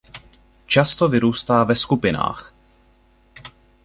Často vyrůstá ve skupinách.